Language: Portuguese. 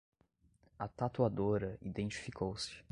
A tatuadora identificou-se